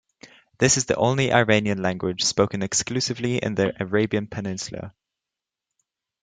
This is the only Iranian language spoken exclusively in the Arabian Peninsula.